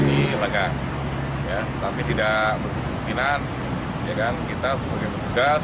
di lengang tapi tidak memungkinkan kita sebagai tugas